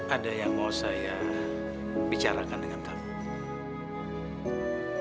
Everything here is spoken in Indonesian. ada yang mau saya bicarakan dengan kamu